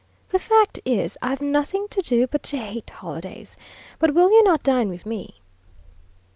The fact is, I've nothing to do but to hate holidays. But will you not dine with me?"